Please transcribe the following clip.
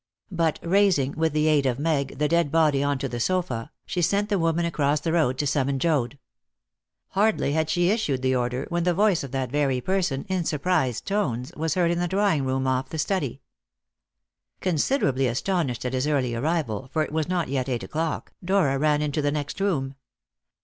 But raising, with the aid of Meg, the dead body on to the sofa, she sent the woman across the road to summon Joad. Hardly had she issued the order when the voice of that very person, in surprised tones, was heard in the drawing room off the study. Considerably astonished at his early arrival, for it was not yet eight o'clock, Dora ran into the next room.